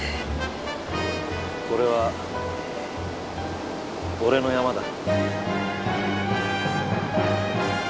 これは俺のヤマだ。